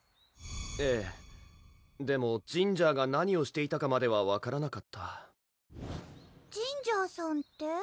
ええでもジンジャーが何をしていたかまでは分からなかったジンジャーさんって？